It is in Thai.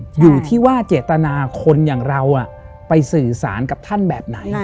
อยู่ที่ว่าเจตนาคนอย่างเราไปสื่อสารกับท่านแบบไหน